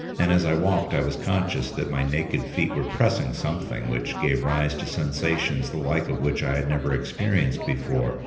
And as I walked I was conscious that my naked feet were pressing something which gave rise to sensations the like of which I had never experienced before.